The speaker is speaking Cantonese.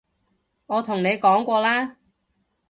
我同你講過啦